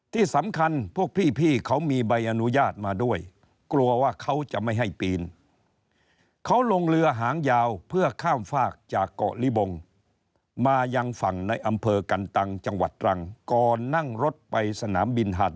ที่สำคัญพวกพี่เขามีใบอนุญาตมาด้วยกลัวว่าเขาจะไม่ให้ปีนเขาลงเรือหางยาวเพื่อข้ามฝากจากเกาะลิบงมายังฝั่งในอำเภอกันตังจังหวัดตรังก่อนนั่งรถไปสนามบินหาด